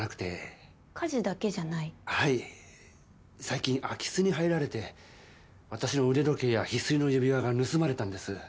最近空き巣に入られて私の腕時計や翡翠の指輪が盗まれたんです。